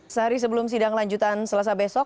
sehari sebelum sidang lanjutan selasa besok